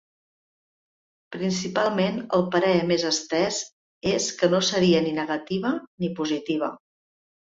Principalment, el parer més estès és que no seria ni negativa ni positiva.